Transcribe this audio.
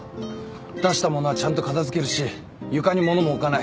出した物はちゃんと片付けるし床に物も置かない。